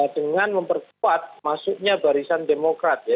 dengan memperkuat masuknya barisan demokrat ya